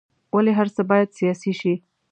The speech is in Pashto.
ولې هر څه باید سیاسي شي.